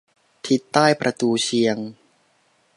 ทิศใต้ประตูเชียง